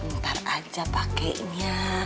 ntar aja pakenya